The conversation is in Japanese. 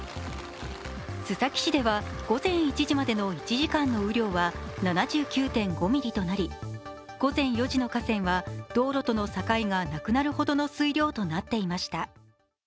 須崎市では午前１時までの１時間の雨量は７９．５ミリとなり午前４時の河川は道路との境がなくなるほどの水量となっていました。